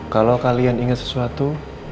kalo kalian inget sesuatu